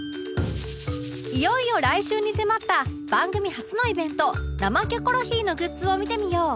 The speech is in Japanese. いよいよ来週に迫った番組初のイベント「生キョコロヒー」のグッズを見てみよう！